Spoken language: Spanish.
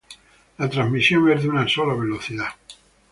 La transmisión es de una sola velocidad.